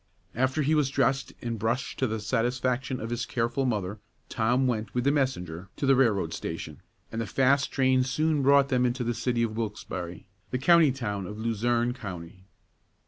After he was dressed and brushed to the satisfaction of his careful mother, Tom went with the messenger to the railroad station, and the fast train soon brought them into the city of Wilkesbarre, the county town of Luzerne County.